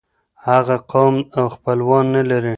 هغه قوم او خپلوان نلري.